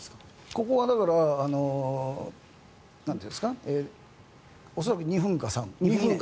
ここは恐らく２分か３分。